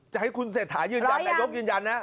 จะให้คุณเศรษฐายืนยันนายกยืนยันนะ